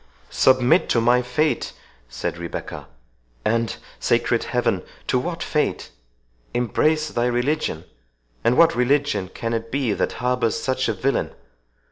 "Submit to my fate!" said Rebecca—"and, sacred Heaven! to what fate?—embrace thy religion! and what religion can it be that harbours such a villain?